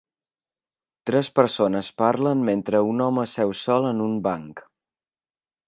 Tres persones parlen, mentre un home seu sol en un banc.